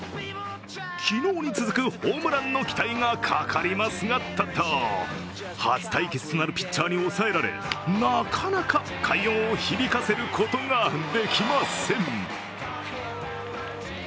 昨日に続くホームランの期待がかかりますが初対決となるピッチャーに抑えられ、なかなか快音を響かせることができません。